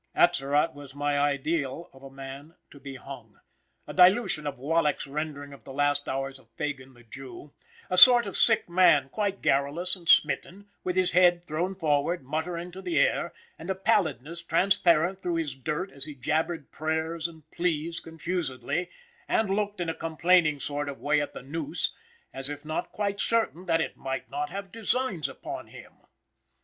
Atzerott was my ideal of a man to be hung a dilution of Wallack's rendering of the last hours of Fagan, the Jew; a sort of sick man, quite garrulous and smitten, with his head thrown forward, muttering to the air, and a pallidness transparent through his dirt as he jabbered prayers and pleas confusedly, and looked in a complaining sort of way at the noose, as if not quite certain that it might not have designs upon him.